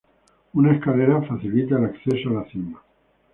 Una escalera facilita el acceso a la cima.